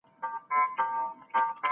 أم الدرداء رضي الله عنها وايي.